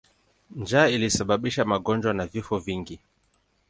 Njaa ilisababisha magonjwa na vifo vingi.